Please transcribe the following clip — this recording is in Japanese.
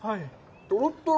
とろっとろ！